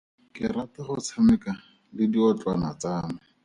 Ke rata go tshameka le diotlwana tsa me.